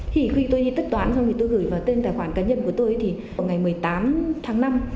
thì khi tôi đi tất toán xong thì tôi gửi vào tên tài khoản cá nhân của tôi thì vào ngày một mươi tám tháng năm